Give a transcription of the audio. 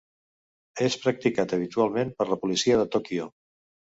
És practicat habitualment per la policia de Tòquio.